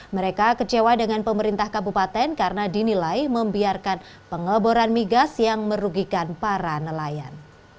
mereka kecewa dengan pemerintah kabupaten karena dinilai membiarkan pengeboran migas yang merugikan para nelayan